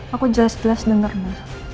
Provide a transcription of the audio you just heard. aku jelas jelas denger ma